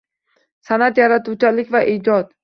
San’at, yaratuvchanlik va ijod